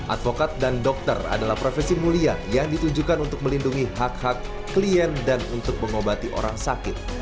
advokat dan dokter adalah profesi mulia yang ditujukan untuk melindungi hak hak klien dan untuk mengobati orang sakit